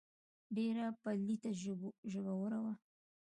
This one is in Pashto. ډېره پليته ژبوره وه.